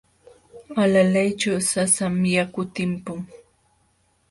Alalayćhu sasam yaku timpun.